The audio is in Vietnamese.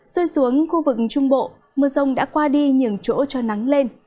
xui xuống khu vực trung bộ mưa rông đã qua đi nhường chỗ cho nắng lên